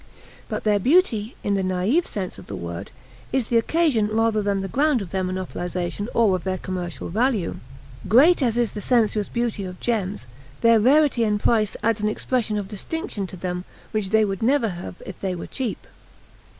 But their beauty, in the naive sense of the word, is the occasion rather than the ground of their monopolization or of their commercial value. "Great as is the sensuous beauty of gems, their rarity and price adds an expression of distinction to them, which they would never have if they were cheap."